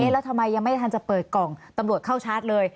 แล้วทำไมยังไม่ทันจะเปิดกล่องตำรวจเข้าชาร์จเลย